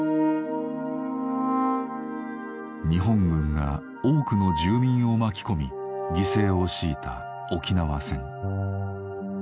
日本軍が多くの住民を巻き込み犠牲を強いた沖縄戦。